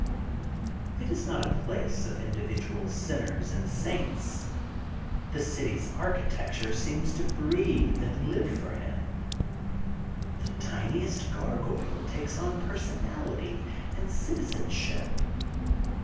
It is not a place of individual sin ners and saints. The City^s architecture seems to breathe and live for him. The tiniest gargoyle takes on personality and citizenship.